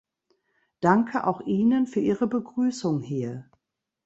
Danke auch Ihnen für Ihre Begrüßung hier.